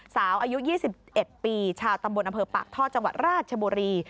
อายุ๒๑ปีชาวตำบลอำเภอปากท่อจังหวัดราชบุรี